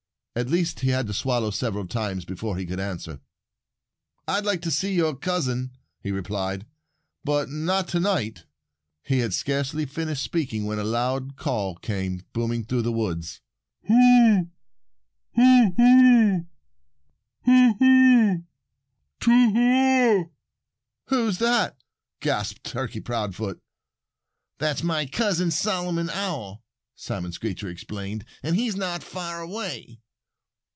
At least, he had to swallow several times before he could answer. "I'd like to see your cousin," he replied, "but not to night." He had scarcely finished speaking when a loud call came booming through the woods: "Whooo whoo whoo, whoo whoo, to whoo ah!" "Who's that?" gasped Turkey Proudfoot. "That's my cousin, Solomon Owl," Simon Screecher explained. "And he's not far away."